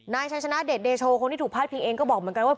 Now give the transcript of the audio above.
นายชัยชนะเดชเดโชคนที่ถูกพาดพิงเองก็บอกเหมือนกันว่า